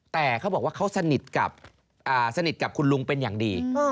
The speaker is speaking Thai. แต่เขาบอกว่าเขาสนิทกับสนิทกับคุณลุงเป็นอย่างดี